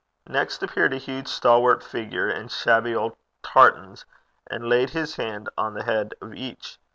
Next appeared a huge stalwart figure, in shabby old tartans, and laid his hand on the head of each.